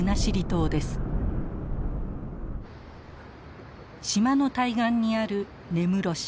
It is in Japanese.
島の対岸にある根室市。